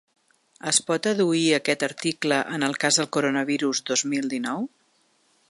Es pot adduir aquest article en el cas del coronavirus dos mil dinou?